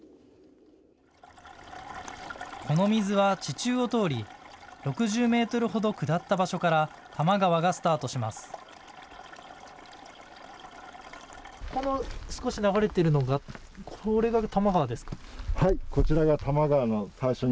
この水は地中を通り６０メートルほど下った場所から多摩川がスタートします。